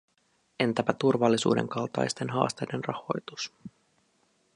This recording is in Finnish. Entäpä turvallisuuden kaltaisten haasteiden rahoitus?